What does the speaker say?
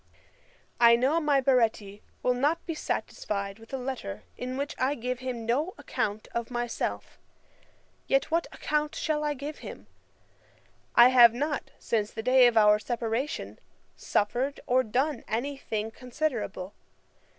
] 'I know my Baretti will not be satisfied with a letter in which I give him no account of myself: yet what account shall I give him? I have not, since the day of our separation, suffered or done any thing considerable.